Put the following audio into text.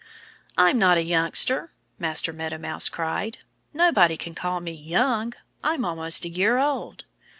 "I'm not a youngster!" Master Meadow Mouse cried. "Nobody can call me young. I'm almost a year old!"